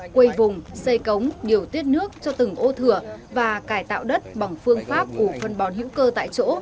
xây vùng xây cống điều tiết nước cho từng ô thừa và cải tạo đất bằng phương pháp của phân bòn hữu cơ tại chỗ